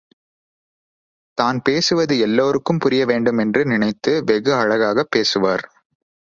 தான் பேசுவது எல்லோருக்கும் புரிய வேண்டுமென்று நினைத்து வெகு அழகாகப் பேசுவார்.